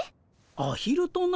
アヒルとな？